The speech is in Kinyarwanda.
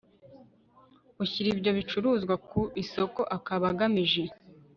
ushyira ibyo bicuruzwa ku isoko akaba agamije